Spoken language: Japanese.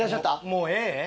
もうええ？